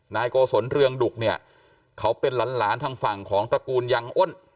นายโกศลเรืองดุกเนี่ยเขาเป็นหลานทางฝั่งของตระกูลยังอ้น